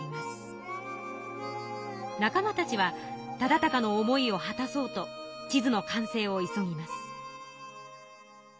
仲間たちは忠敬の思いを果たそうと地図の完成を急ぎます。